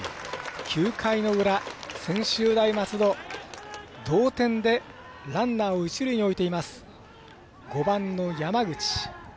９回の裏、専修大松戸同点でランナーを一塁に置いています。